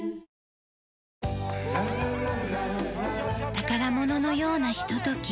宝物のようなひととき。